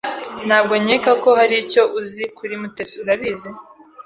Ntabwo nkeka ko hari icyo uzi kuri Mutesi, urabizi?